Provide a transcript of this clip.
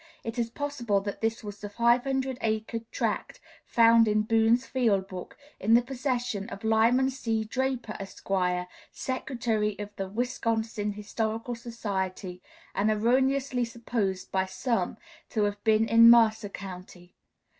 It is possible that this was the five hundred acre tract found in Boone's field book, in the possession of Lyman C. Draper, Esq., Secretary of the Wisconsin Historical Society, and erroneously supposed by some to have been in Mercer County.